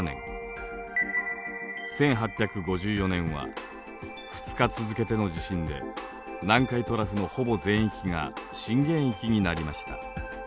１８５４年は２日続けての地震で南海トラフのほぼ全域が震源域になりました。